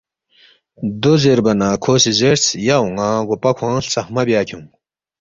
دو زیربا نہ کھو سی زیرس، ”یا اون٘ا گوپا کھوانگ ہلژخمہ بیا کھیونگ